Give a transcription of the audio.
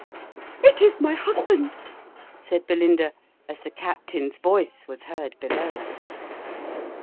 " It is my husband !" said Belinda, as the captain's voice was heard below.